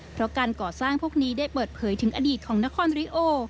เพราะการก่อสร้างพวกนี้ได้เปิดเผยถึงอดีตของนครริโอ